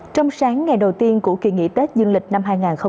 trong sáng ngày đầu tiên của kỳ nghỉ tết dương lịch năm hai nghìn hai mươi bốn